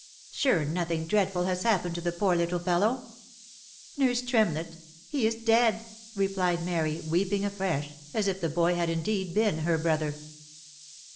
Sure nothing dreadful has happened to the poor little fellow?" " Nurse Tremlett, he is dead !" replied Mary, weeping afresh, as if the boy had indeed been her brother.